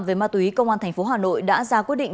về ma túy công an tp hà nội đã ra quyết định